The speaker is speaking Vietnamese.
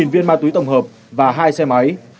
một mươi viên ma túy tổng hợp và hai xe máy